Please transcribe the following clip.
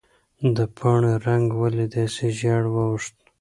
د پاڼې رنګ ولې داسې ژېړ واوښت؟